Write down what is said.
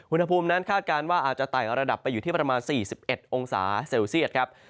อุณหภูมินั้นคาดการณ์ว่าอาจจะไต่ระดับไปอยู่ที่ประมาณ๔๑องศาเซลเซียตครับ